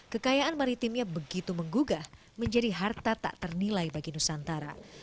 kekayaan maritimnya begitu menggugah menjadi harta tak ternilai bagi nusantara